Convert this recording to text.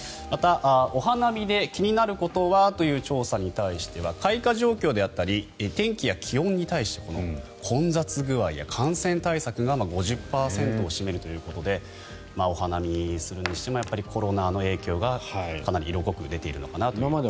また、お花見で気になることは？という調査に対しては開花状況であったり天気や気温混雑具合や感染対策が５０％を占めるということでお花見するにしてもコロナの影響がかなり色濃く出ているのかなという。